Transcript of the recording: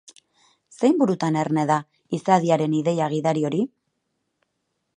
Zein burutan erne da izadiaren ideia gidari hori?